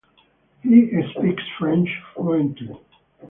He speaks French fluently.